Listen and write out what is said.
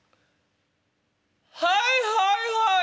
『はいはいはい！